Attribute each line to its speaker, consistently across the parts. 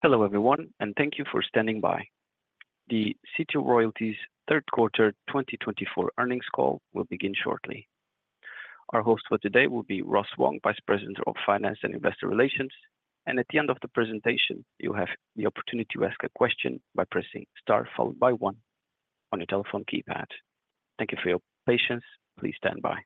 Speaker 1: Hello everyone, and thank you for standing by. The Sitio Royalties Third Quarter 2024 Earnings Call will begin shortly. Our host for today will be Ross Wong, Vice President of Finance and Investor Relations, and at the end of the presentation, you'll have the opportunity to ask a question by pressing star followed by one on your telephone keypad. Thank you for your patience. Please stand by.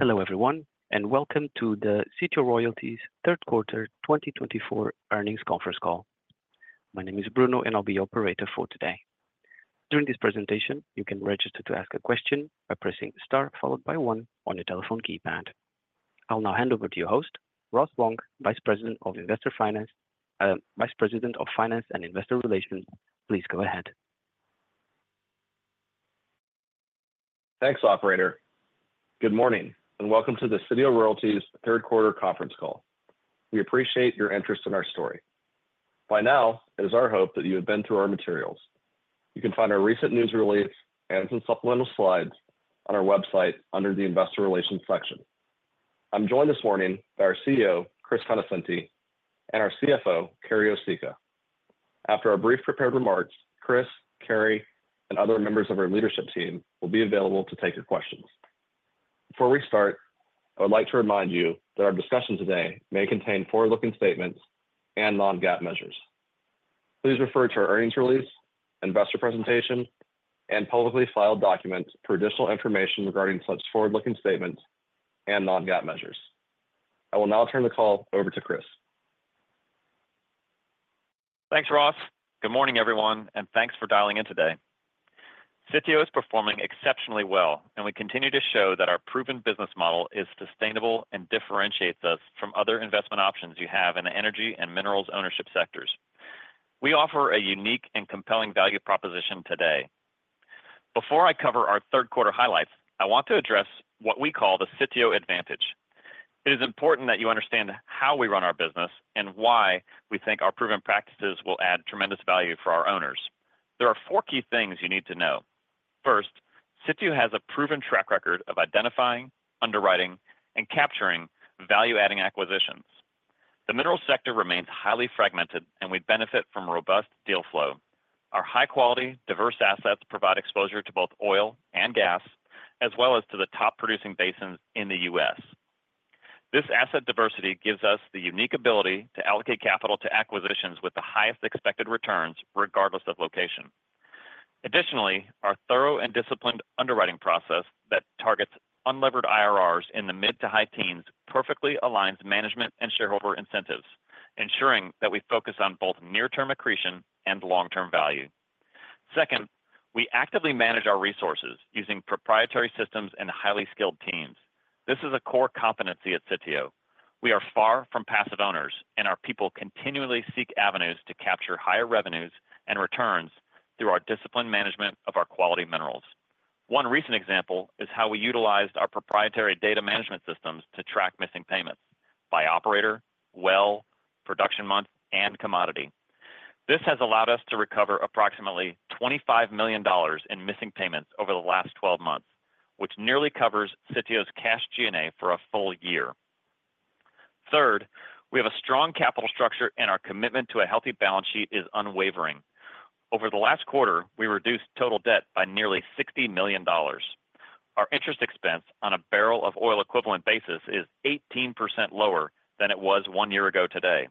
Speaker 1: Hello everyone, and welcome to the Sitio Royalties Third Quarter 2024 Earnings Conference call. My name is Bruno, and I'll be your operator for today. During this presentation, you can register to ask a question by pressing star followed by one on your telephone keypad. I'll now hand over to your host, Ross Wong, Vice President of Finance and Investor Relations. Please go ahead.
Speaker 2: Thanks, Operator. Good morning and welcome to the Sitio Royalties Third Quarter Conference Call. We appreciate your interest in our story. By now, it is our hope that you have been through our materials. You can find our recent news release and some supplemental slides on our website under the Investor Relations section. I'm joined this morning by our CEO, Chris Conoscenti, and our CFO, Carrie Osicka. After our brief prepared remarks, Chris, Carrie, and other members of our leadership team will be available to take your questions. Before we start, I would like to remind you that our discussion today may contain forward-looking statements and non-GAAP measures. Please refer to our earnings release, investor presentation, and publicly filed documents for additional information regarding such forward-looking statements and non-GAAP measures. I will now turn the call over to Chris.
Speaker 3: Thanks, Ross. Good morning, everyone, and thanks for dialing in today. Sitio is performing exceptionally well, and we continue to show that our proven business model is sustainable and differentiates us from other investment options you have in the energy and minerals ownership sectors. We offer a unique and compelling value proposition today. Before I cover our third quarter highlights, I want to address what we call the Sitio Advantage. It is important that you understand how we run our business and why we think our proven practices will add tremendous value for our owners. There are four key things you need to know. First, Sitio has a proven track record of identifying, underwriting, and capturing value-adding acquisitions. The mineral sector remains highly fragmented, and we benefit from robust deal flow. Our high-quality, diverse assets provide exposure to both oil and gas, as well as to the top-producing basins in the U.S. This asset diversity gives us the unique ability to allocate capital to acquisitions with the highest expected returns, regardless of location. Additionally, our thorough and disciplined underwriting process that targets unlevered IRRs in the mid to high teens perfectly aligns management and shareholder incentives, ensuring that we focus on both near-term accretion and long-term value. Second, we actively manage our resources using proprietary systems and highly skilled teams. This is a core competency at Sitio. We are far from passive owners, and our people continually seek avenues to capture higher revenues and returns through our disciplined management of our quality minerals. One recent example is how we utilized our proprietary data management systems to track missing payments by operator, well, production month, and commodity. This has allowed us to recover approximately $25 million in missing payments over the last 12 months, which nearly covers Sitio's cash G&A for a full year. Third, we have a strong capital structure, and our commitment to a healthy balance sheet is unwavering. Over the last quarter, we reduced total debt by nearly $60 million. Our interest expense on a barrel of oil equivalent basis is 18% lower than it was one year ago today.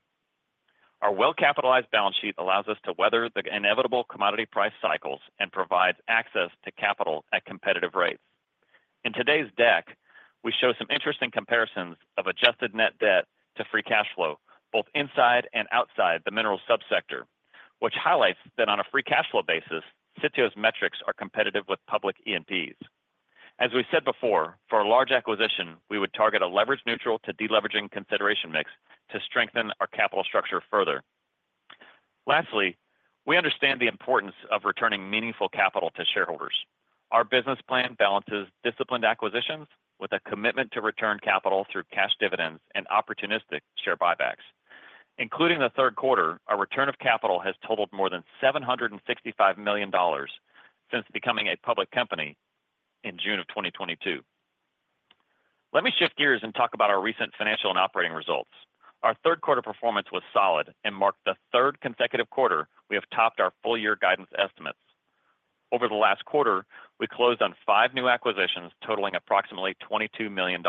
Speaker 3: Our well-capitalized balance sheet allows us to weather the inevitable commodity price cycles and provides access to capital at competitive rates. In today's deck, we show some interesting comparisons of adjusted net debt to free cash flow, both inside and outside the mineral subsector, which highlights that on a free cash flow basis, Sitio's metrics are competitive with public E&Ps. As we said before, for a large acquisition, we would target a leverage-neutral to deleveraging consideration mix to strengthen our capital structure further. Lastly, we understand the importance of returning meaningful capital to shareholders. Our business plan balances disciplined acquisitions with a commitment to return capital through cash dividends and opportunistic share buybacks. Including the third quarter, our return of capital has totaled more than $765 million since becoming a public company in June of 2022. Let me shift gears and talk about our recent financial and operating results. Our third quarter performance was solid and marked the third consecutive quarter we have topped our full-year guidance estimates. Over the last quarter, we closed on five new acquisitions totaling approximately $22 million.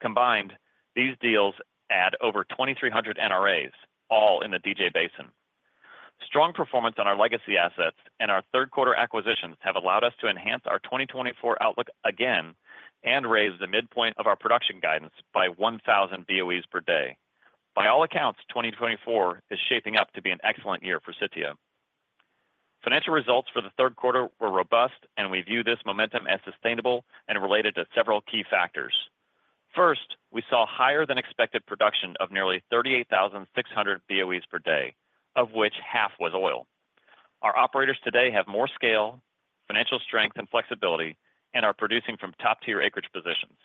Speaker 3: Combined, these deals add over 2,300 NRAs, all in the DJ Basin. Strong performance on our legacy assets and our third quarter acquisitions have allowed us to enhance our 2024 outlook again and raise the midpoint of our production guidance by 1,000 BOEs per day. By all accounts, 2024 is shaping up to be an excellent year for Sitio. Financial results for the third quarter were robust, and we view this momentum as sustainable and related to several key factors. First, we saw higher-than-expected production of nearly 38,600 BOEs per day, of which half was oil. Our operators today have more scale, financial strength, and flexibility, and are producing from top-tier acreage positions.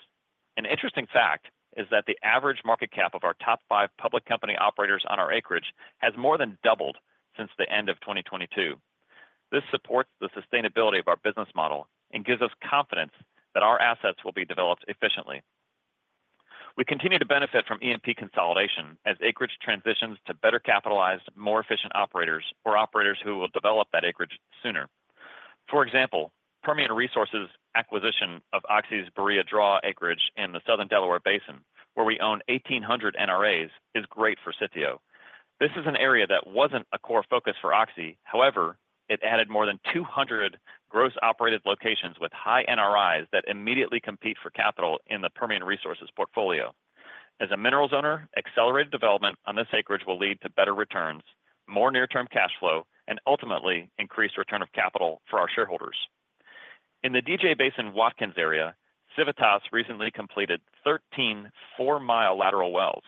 Speaker 3: An interesting fact is that the average market cap of our top five public company operators on our acreage has more than doubled since the end of 2022. This supports the sustainability of our business model and gives us confidence that our assets will be developed efficiently. We continue to benefit from E&P consolidation as acreage transitions to better capitalized, more efficient operators, or operators who will develop that acreage sooner. For example, Permian Resources' acquisition of Oxy's Barilla Draw acreage in the Southern Delaware Basin, where we own 1,800 NRAs, is great for Sitio. This is an area that wasn't a core focus for Oxy. However, it added more than 200 gross operated locations with high NRIs that immediately compete for capital in the Permian Resources portfolio. As a minerals owner, accelerated development on this acreage will lead to better returns, more near-term cash flow, and ultimately increased return of capital for our shareholders. In the DJ Basin Watkins area, Civitas recently completed 13 four-mile lateral wells.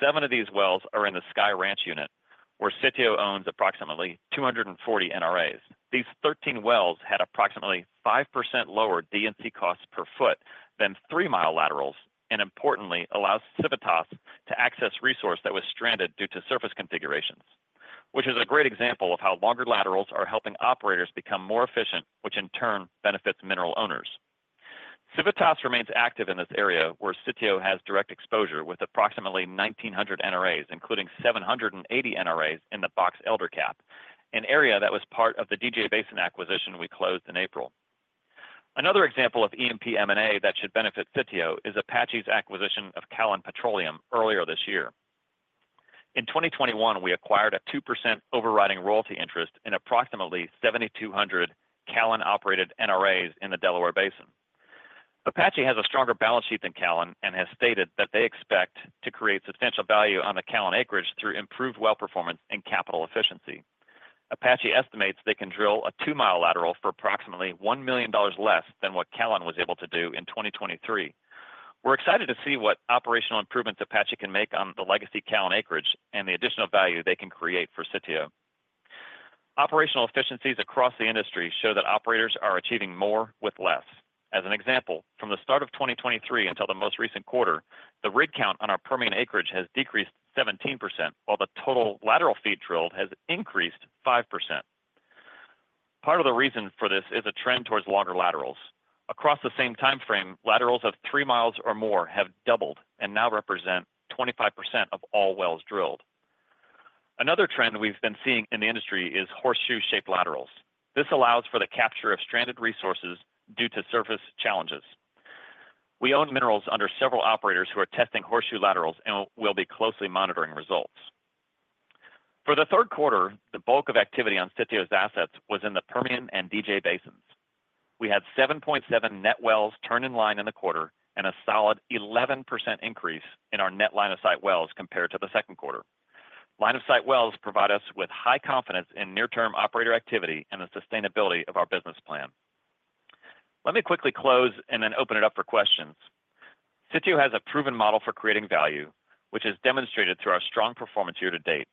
Speaker 3: Seven of these wells are in the Sky Ranch unit, where Sitio owns approximately 240 NRAs. These 13 wells had approximately 5% lower D&C costs per foot than three-mile laterals and, importantly, allowed Civitas to access resource that was stranded due to surface configurations, which is a great example of how longer laterals are helping operators become more efficient, which in turn benefits mineral owners. Civitas remains active in this area where Sitio has direct exposure with approximately 1,900 NRAs, including 780 NRAs in the Box Elder CAP, an area that was part of the DJ Basin acquisition we closed in April. Another example of E&P M&A that should benefit Sitio is Apache's acquisition of Callon Petroleum earlier this year. In 2021, we acquired a 2% overriding royalty interest in approximately 7,200 Callon-operated NRAs in the Delaware Basin. Apache has a stronger balance sheet than Callon and has stated that they expect to create substantial value on the Callon acreage through improved well performance and capital efficiency. Apache estimates they can drill a two-mile lateral for approximately $1 million less than what Callon was able to do in 2023. We're excited to see what operational improvements Apache can make on the legacy Callon acreage and the additional value they can create for Sitio. Operational efficiencies across the industry show that operators are achieving more with less. As an example, from the start of 2023 until the most recent quarter, the rig count on our Permian acreage has decreased 17%, while the total lateral feet drilled has increased 5%. Part of the reason for this is a trend towards longer laterals. Across the same timeframe, laterals of three miles or more have doubled and now represent 25% of all wells drilled. Another trend we've been seeing in the industry is horseshoe-shaped laterals. This allows for the capture of stranded resources due to surface challenges. We own minerals under several operators who are testing horseshoe laterals and will be closely monitoring results. For the third quarter, the bulk of activity on Sitio's assets was in the Permian and DJ Basins. We had 7.7 net wells turn in line in the quarter and a solid 11% increase in our net line of sight wells compared to the second quarter. Line of sight wells provide us with high confidence in near-term operator activity and the sustainability of our business plan. Let me quickly close and then open it up for questions. Sitio has a proven model for creating value, which is demonstrated through our strong performance year to date.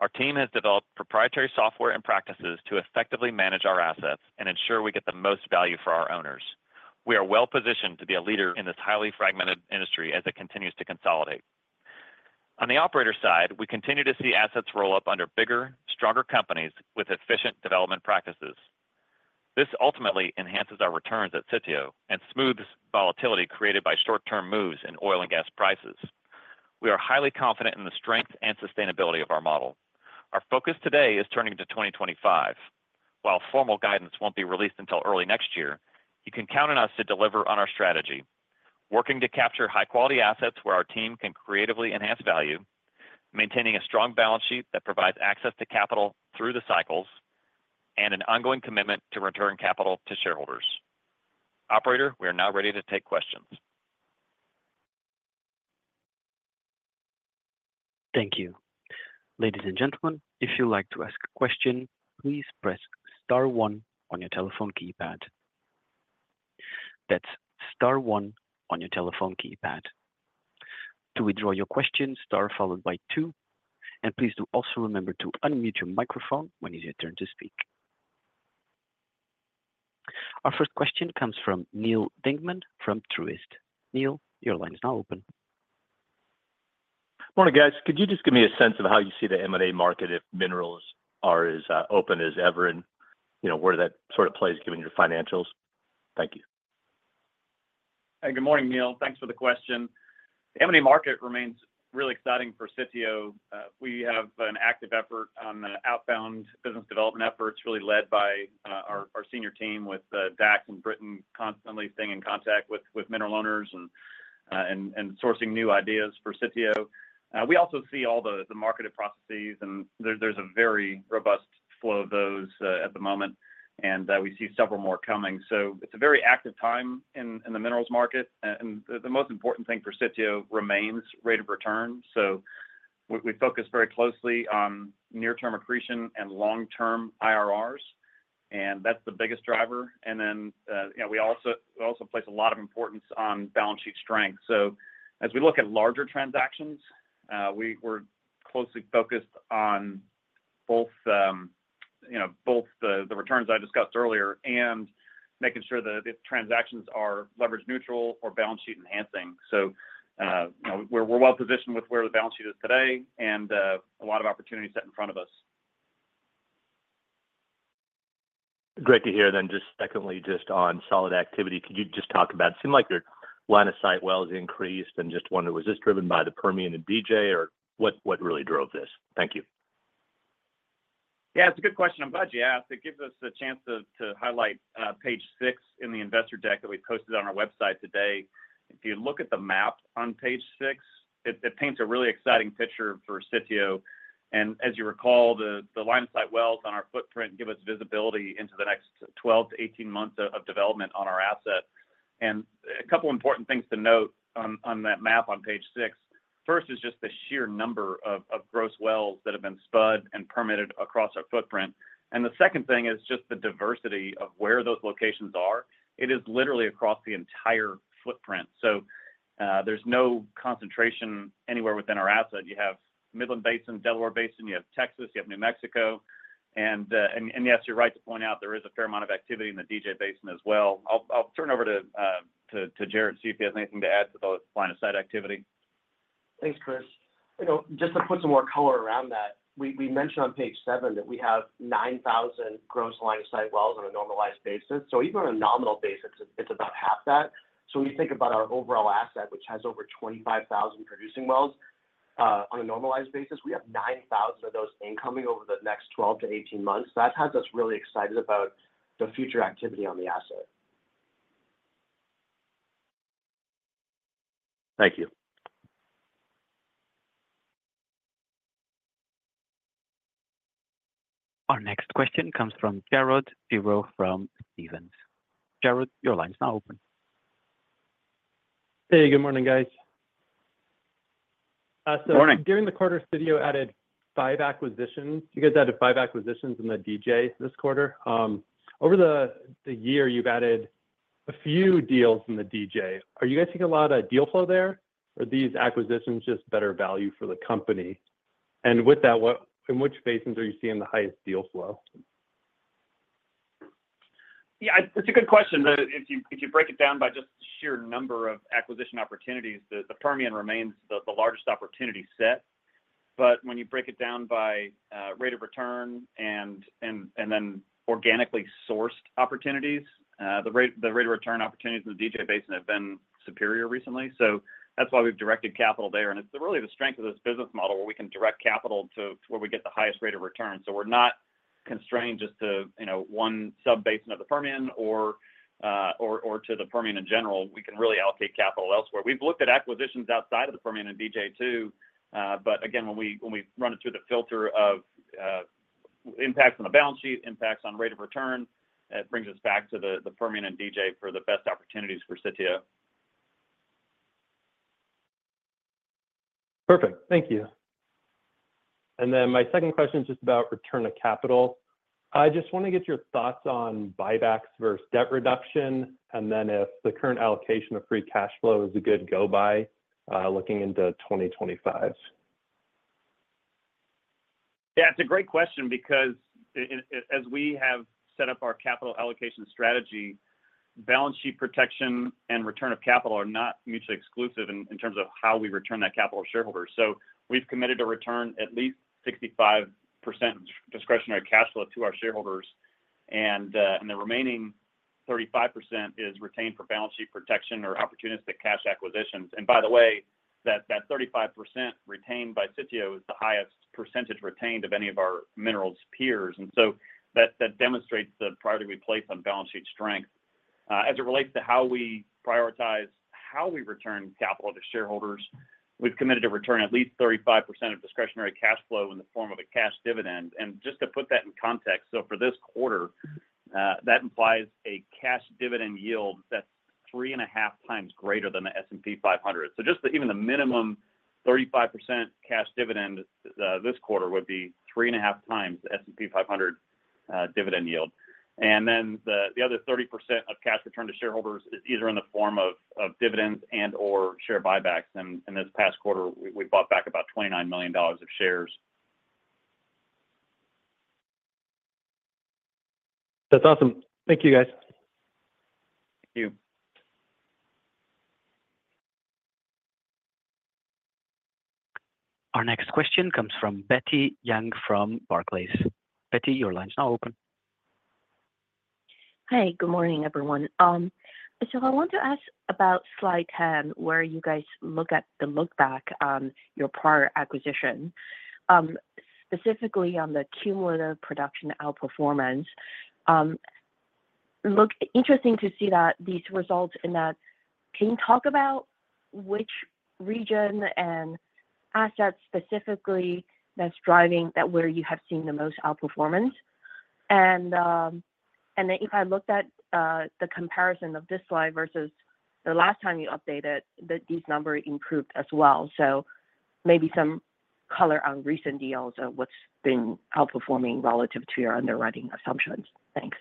Speaker 3: Our team has developed proprietary software and practices to effectively manage our assets and ensure we get the most value for our owners. We are well positioned to be a leader in this highly fragmented industry as it continues to consolidate. On the operator side, we continue to see assets roll up under bigger, stronger companies with efficient development practices. This ultimately enhances our returns at Sitio and smooths volatility created by short-term moves in oil and gas prices. We are highly confident in the strength and sustainability of our model. Our focus today is turning to 2025. While formal guidance won't be released until early next year, you can count on us to deliver on our strategy, working to capture high-quality assets where our team can creatively enhance value, maintaining a strong balance sheet that provides access to capital through the cycles, and an ongoing commitment to return capital to shareholders. Operator, we are now ready to take questions.
Speaker 1: Thank you. Ladies and gentlemen, if you'd like to ask a question, please press star one on your telephone keypad. That's star one on your telephone keypad. To withdraw your question, star followed by two. And please do also remember to unmute your microphone when you turn to speak. Our first question comes from Neal Dingman from Truist. Neal, your line is now open.
Speaker 4: Morning, guys. Could you just give me a sense of how you see the M&A market if minerals are as open as ever and, you know, where that sort of plays given your financials? Thank you.
Speaker 3: Hey, good morning, Neal. Thanks for the question. The M&A market remains really exciting for Sitio. We have an active effort on the outbound business development efforts really led by our senior team with Dax and Britton constantly staying in contact with mineral owners and sourcing new ideas for Sitio. We also see all the marketed processes, and there's a very robust flow of those at the moment, and we see several more coming. So it's a very active time in the minerals market, and the most important thing for Sitio remains rate of return. So we focus very closely on near-term accretion and long-term IRRs, and that's the biggest driver. And then, you know, we also place a lot of importance on balance sheet strength. So as we look at larger transactions, we're closely focused on both, you know, both the returns I discussed earlier and making sure that the transactions are leverage neutral or balance sheet enhancing. So, you know, we're well positioned with where the balance sheet is today and a lot of opportunities set in front of us.
Speaker 4: Great to hear, then just secondly, just on drilling activity, could you just talk about it? Seemed like your line of sight wells increased, and just wondered, was this driven by the Permian and DJ, or what really drove this? Thank you.
Speaker 3: Yeah, it's a good question. I'm glad you asked. It gives us a chance to highlight page six in the investor deck that we posted on our website today. If you look at the map on page six, it paints a really exciting picture for Sitio, and as you recall, the line of sight wells on our footprint give us visibility into the next 12-18 months of development on our asset, and a couple of important things to note on that map on page six. First is just the sheer number of gross wells that have been spud and permitted across our footprint, and the second thing is just the diversity of where those locations are. It is literally across the entire footprint. So there's no concentration anywhere within our asset. You have Midland Basin, Delaware Basin, you have Texas, you have New Mexico. Yes, you're right to point out there is a fair amount of activity in the DJ Basin as well. I'll turn over to Jarret to see if he has anything to add to the line of sight activity.
Speaker 5: Thanks, Chris. You know, just to put some more color around that, we mentioned on page seven that we have 9,000 gross line of sight wells on a normalized basis. So even on a nominal basis, it's about half that. So when you think about our overall asset, which has over 25,000 producing wells on a normalized basis, we have 9,000 of those incoming over the next 12 to 18 months. That has us really excited about the future activity on the asset.
Speaker 4: Thank you.
Speaker 1: Our next question comes from Jared Giroux from Stephens. Jarrod, your line's now open.
Speaker 6: Hey, good morning, guys.
Speaker 3: Morning.
Speaker 6: During the quarter, Sitio added five acquisitions. You guys added five acquisitions in the DJ this quarter. Over the year, you've added a few deals in the DJ. Are you guys seeing a lot of deal flow there, or are these acquisitions just better value for the company? And with that, in which basins are you seeing the highest deal flow?
Speaker 3: Yeah, it's a good question. If you break it down by just the sheer number of acquisition opportunities, the Permian remains the largest opportunity set. But when you break it down by rate of return and then organically sourced opportunities, the rate of return opportunities in the DJ Basin have been superior recently. So that's why we've directed capital there. And it's really the strength of this business model where we can direct capital to where we get the highest rate of return. So we're not constrained just to, you know, one sub-basin of the Permian or to the Permian in general. We can really allocate capital elsewhere. We've looked at acquisitions outside of the Permian and DJ too. But again, when we run it through the filter of impacts on the balance sheet, impacts on rate of return, it brings us back to the Permian and DJ for the best opportunities for Sitio.
Speaker 6: Perfect. Thank you. Then my second question is just about return of capital. I just want to get your thoughts on buybacks versus debt reduction and then if the current allocation of free cash flow is a good go-by looking into 2025.
Speaker 3: Yeah, it's a great question because as we have set up our capital allocation strategy, balance sheet protection and return of capital are not mutually exclusive in terms of how we return that capital to shareholders. So we've committed to return at least 65% discretionary cash flow to our shareholders, and the remaining 35% is retained for balance sheet protection or opportunistic cash acquisitions. And by the way, that 35% retained by Sitio is the highest percentage retained of any of our minerals peers. And so that demonstrates the priority we place on balance sheet strength. As it relates to how we prioritize how we return capital to shareholders, we've committed to return at least 35% of discretionary cash flow in the form of a cash dividend. Just to put that in context, so for this quarter, that implies a cash dividend yield that's three and a half times greater than the S&P 500. Just even the minimum 35% cash dividend this quarter would be three and a half times the S&P 500 dividend yield. The other 30% of cash return to shareholders is either in the form of dividends and/or share buybacks. This past quarter, we bought back about $29 million of shares.
Speaker 6: That's awesome. Thank you, guys.
Speaker 3: Thank you.
Speaker 1: Our next question comes from Betty Jiang from Barclays. Betty, your line's now open.
Speaker 7: Hi, good morning, everyone. So I want to ask about slide 10, where you guys look at the lookback on your prior acquisition, specifically on the cumulative production outperformance. Interesting to see that these results in that. Can you talk about which region and asset specifically that's driving that where you have seen the most outperformance? And then if I looked at the comparison of this slide versus the last time you updated, these numbers improved as well. So maybe some color on recent deals and what's been outperforming relative to your underwriting assumptions. Thanks.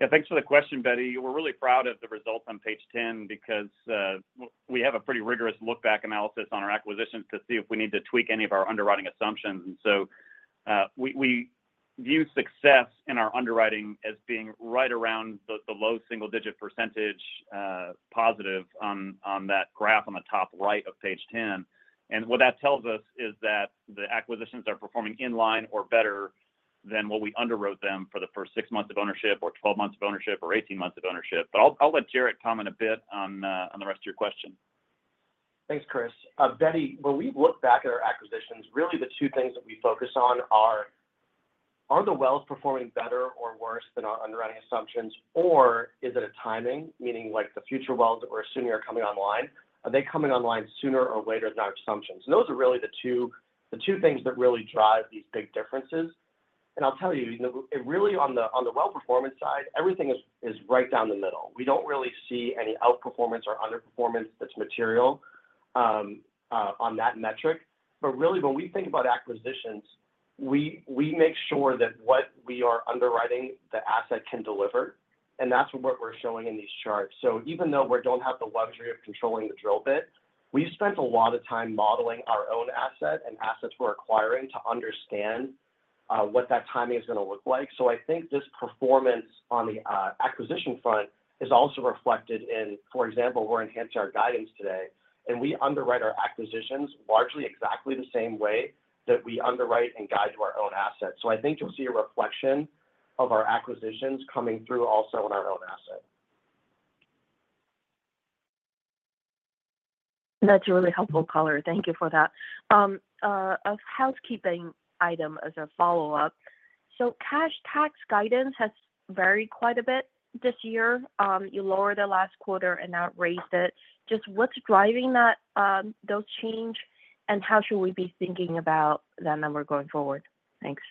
Speaker 3: Yeah, thanks for the question, Betty. We're really proud of the results on page 10 because we have a pretty rigorous lookback analysis on our acquisitions to see if we need to tweak any of our underwriting assumptions, and so we view success in our underwriting as being right around the low single-digit percentage positive on that graph on the top right of page 10, and what that tells us is that the acquisitions are performing in line or better than what we underwrote them for the first six months of ownership or 12 months of ownership or 18 months of ownership, but I'll let Jarret comment a bit on the rest of your question.
Speaker 5: Thanks, Chris. Betty, when we look back at our acquisitions, really the two things that we focus on are: are the wells performing better or worse than our underwriting assumptions, or is it a timing, meaning like the future wells that we're assuming are coming online? Are they coming online sooner or later than our assumptions? And those are really the two things that really drive these big differences. And I'll tell you, really on the well performance side, everything is right down the middle. We don't really see any outperformance or underperformance that's material on that metric. But really, when we think about acquisitions, we make sure that what we are underwriting the asset can deliver. And that's what we're showing in these charts. Even though we don't have the luxury of controlling the drill bit, we spent a lot of time modeling our own asset and assets we're acquiring to understand what that timing is going to look like. I think this performance on the acquisition front is also reflected in, for example, we're enhancing our guidance today, and we underwrite our acquisitions largely exactly the same way that we underwrite and guide to our own assets. I think you'll see a reflection of our acquisitions coming through also on our own asset.
Speaker 7: That's a really helpful color. Thank you for that. A housekeeping item as a follow-up. So cash tax guidance has varied quite a bit this year. You lowered it last quarter and now raised it. Just what's driving those changes, and how should we be thinking about that number going forward? Thanks.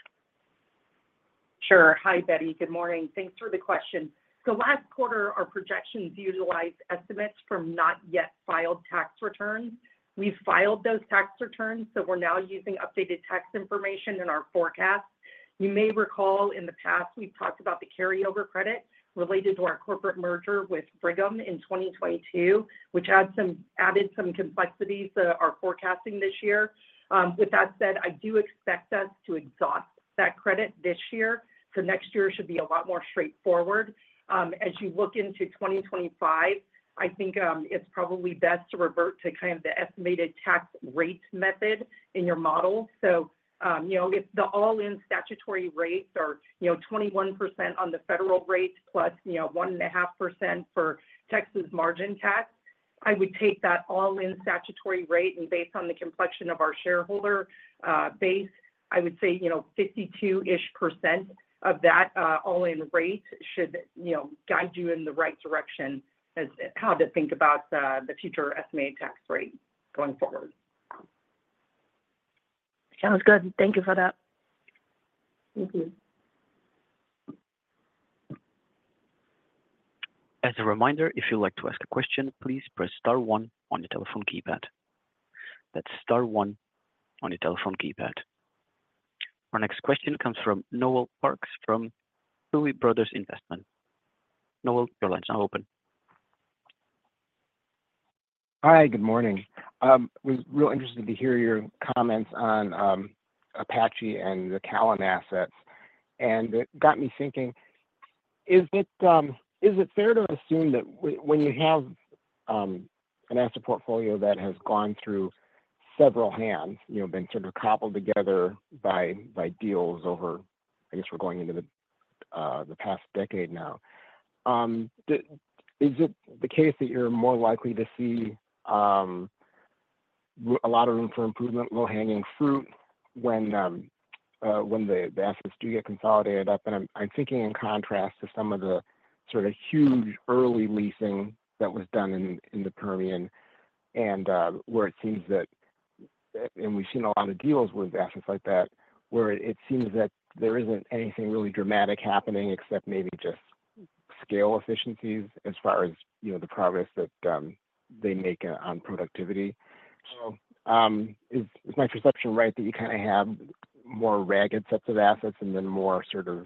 Speaker 8: Sure. Hi, Betty. Good morning. Thanks for the question. So last quarter, our projections utilized estimates from not yet filed tax returns. We've filed those tax returns, so we're now using updated tax information in our forecast. You may recall in the past we've talked about the carryover credit related to our corporate merger with Brigham in 2022, which added some complexities to our forecasting this year. With that said, I do expect us to exhaust that credit this year. So next year should be a lot more straightforward. As you look into 2025, I think it's probably best to revert to kind of the estimated tax rate method in your model. So, you know, if the all-in statutory rates are, you know, 21% on the federal rate plus, you know, 1.5% for Texas margin tax, I would take that all-in statutory rate. Based on the complexion of our shareholder base, I would say, you know, 52-ish% of that all-in rate should, you know, guide you in the right direction as how to think about the future estimated tax rate going forward.
Speaker 7: Sounds good. Thank you for that.
Speaker 8: Thank you.
Speaker 1: As a reminder, if you'd like to ask a question, please press star one on your telephone keypad. That's star one on your telephone keypad. Our next question comes from Noel Parks from Tuohy Brothers Investment. Noel, your line's now open.
Speaker 9: Hi, good morning. I was real interested to hear your comments on Apache and the Callon assets. And it got me thinking, is it fair to assume that when you have an asset portfolio that has gone through several hands, you know, been sort of cobbled together by deals over, I guess, we're going into the past decade now, is it the case that you're more likely to see a lot of room for improvement, low-hanging fruit when the assets do get consolidated up? And I'm thinking in contrast to some of the sort of huge early leasing that was done in the Permian and where it seems that, and we've seen a lot of deals with assets like that, where it seems that there isn't anything really dramatic happening except maybe just scale efficiencies as far as, you know, the progress that they make on productivity. So is my perception right that you kind of have more ragged sets of assets and then more sort of,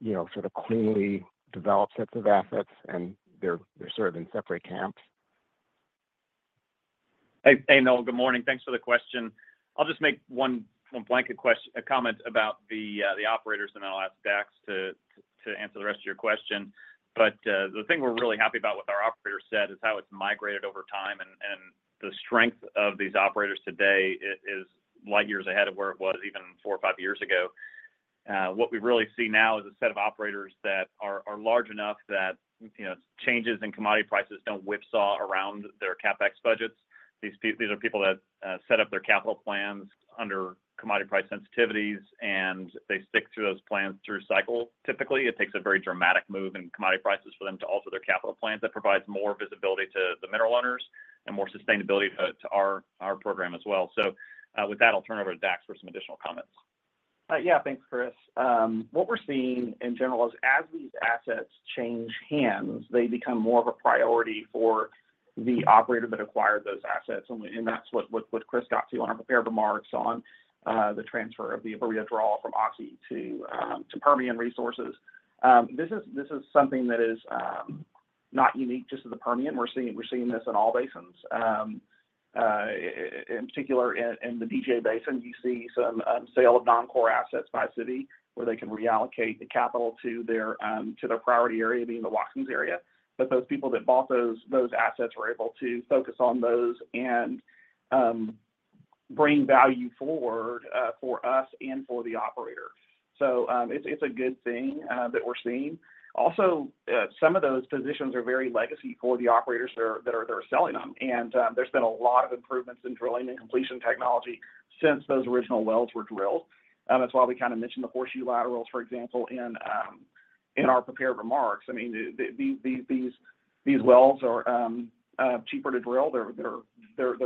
Speaker 9: you know, sort of cleanly developed sets of assets, and they're sort of in separate camps?
Speaker 3: Hey, Noel, good morning. Thanks for the question. I'll just make one blanket comment about the operators and then I'll ask Dax to answer the rest of your question. But the thing we're really happy about with our operator set is how it's migrated over time. And the strength of these operators today is light years ahead of where it was even four or five years ago. What we really see now is a set of operators that are large enough that, you know, changes in commodity prices don't whipsaw around their CapEx budgets. These are people that set up their capital plans under commodity price sensitivities, and they stick through those plans through cycle. Typically, it takes a very dramatic move in commodity prices for them to alter their capital plans. That provides more visibility to the mineral owners and more sustainability to our program as well. So with that, I'll turn it over to Dax for some additional comments.
Speaker 10: Yeah, thanks, Chris. What we're seeing in general is as these assets change hands, they become more of a priority for the operator that acquired those assets. And that's what Chris got to on our prepared remarks on the transfer of the Barilla Draw from Oxy to Permian Resources. This is something that is not unique just to the Permian. We're seeing this in all basins. In particular, in the DJ Basin, you see some sale of non-core assets by Sitio where they can reallocate the capital to their priority area, being the Watkins area. But those people that bought those assets were able to focus on those and bring value forward for us and for the operator. So it's a good thing that we're seeing. Also, some of those positions are very legacy for the operators that are selling them. There's been a lot of improvements in drilling and completion technology since those original wells were drilled. That's why we kind of mentioned the horseshoe laterals, for example, in our prepared remarks. I mean, these wells are cheaper to drill. They're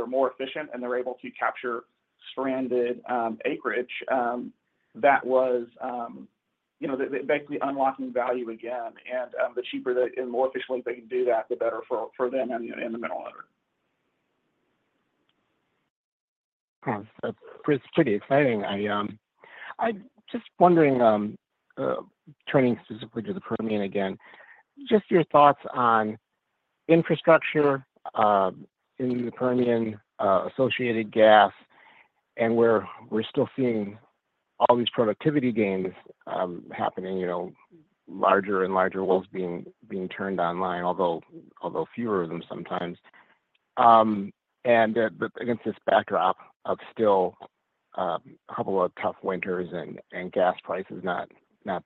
Speaker 10: more efficient, and they're able to capture stranded acreage. That was, you know, basically unlocking value again. The cheaper and more efficiently they can do that, the better for them and the mineral owner.
Speaker 9: Sounds pretty exciting. I'm just wondering, turning specifically to the Permian again, just your thoughts on infrastructure in the Permian, associated gas, and where we're still seeing all these productivity gains happening, you know, larger and larger wells being turned online, although fewer of them sometimes. And against this backdrop of still a couple of tough winters and gas prices not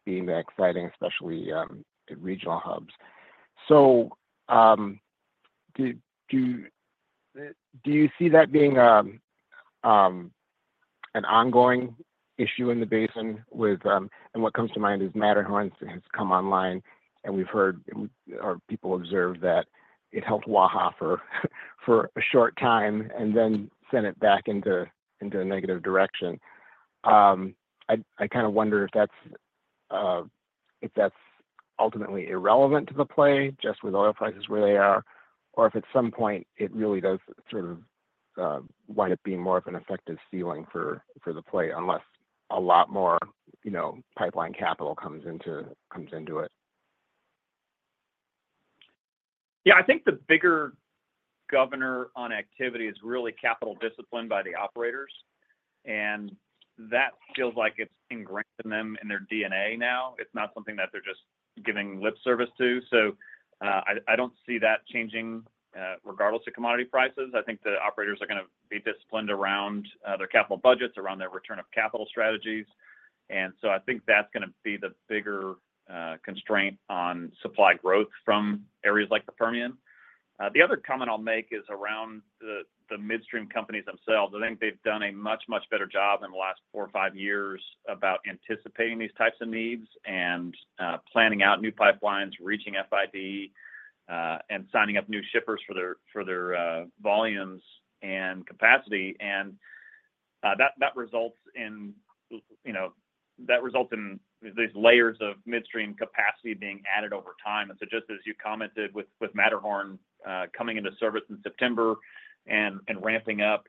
Speaker 9: being that exciting, especially in regional hubs. So do you see that being an ongoing issue in the basin? And what comes to mind is Matterhorn has come online, and we've heard or people observed that it helped Waha for a short time and then sent it back into a negative direction. I kind of wonder if that's ultimately irrelevant to the play just with oil prices where they are, or if at some point it really does sort of wind up being more of an effective ceiling for the play unless a lot more, you know, pipeline capital comes into it.
Speaker 3: Yeah, I think the bigger governor on activity is really capital discipline by the operators. And that feels like it's ingrained in them in their DNA now. It's not something that they're just giving lip service to. So I don't see that changing regardless of commodity prices. I think the operators are going to be disciplined around their capital budgets, around their return of capital strategies. And so I think that's going to be the bigger constraint on supply growth from areas like the Permian. The other comment I'll make is around the midstream companies themselves. I think they've done a much, much better job in the last four or five years about anticipating these types of needs and planning out new pipelines, reaching FID, and signing up new shippers for their volumes and capacity. That results in, you know, that results in these layers of midstream capacity being added over time. So just as you commented with Matterhorn coming into service in September and ramping up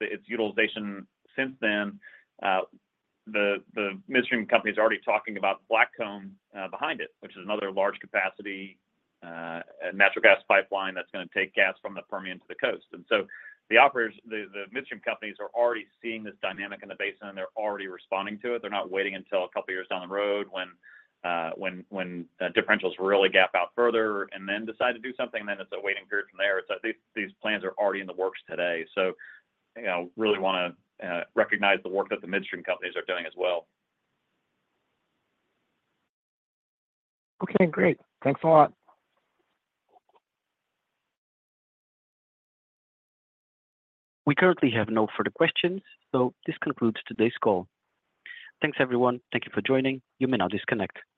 Speaker 3: its utilization since then, the midstream company is already talking about Blackcomb behind it, which is another large capacity natural gas pipeline that's going to take gas from the Permian to the coast. So the operators, the midstream companies are already seeing this dynamic in the basin, and they're already responding to it. They're not waiting until a couple of years down the road when differentials really gap out further and then decide to do something. Then it's a waiting period from there. So these plans are already in the works today. So, you know, really want to recognize the work that the midstream companies are doing as well.
Speaker 9: Okay, great. Thanks a lot.
Speaker 1: We currently have no further questions, so this concludes today's call. Thanks, everyone. Thank you for joining. You may now disconnect. Thank you.